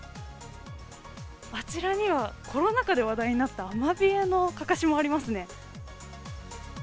あちらには、コロナ禍で話題になったアマビエのかかしもありますね。